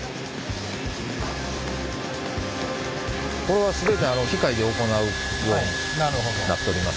これは全て機械で行うようになっております。